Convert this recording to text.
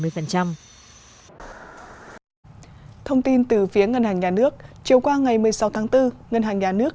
bảy mươi phần trăm thông tin từ phía ngân hàng nhà nước chiều qua ngày một mươi sáu tháng bốn ngân hàng nhà nước